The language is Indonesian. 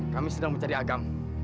kami sedang mencari agam